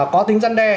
có tính gian đe